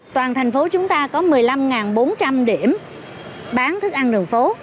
toàn thành phố chúng ta có một mươi năm bốn trăm linh điểm bán thức ăn đường phố